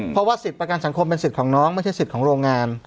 เพราะว่าสิทธิ์ประกันสังคมเป็นสิทธิ์ของน้องไม่ใช่สิทธิ์ของโรงงาน